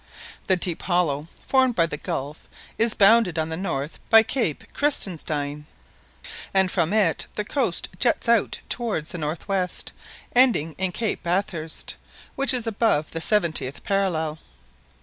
The deep hollow formed by the gulf is bounded on the north by Cape Krusenstein, and from it the coast juts out towards the north west, ending in Cape Bathurst, which is above the seventieth parallel.